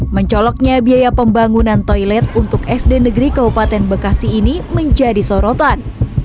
mencoloknya biaya pembangunan toilet untuk sd negeri kabupaten bekasi ini menjadi sorotan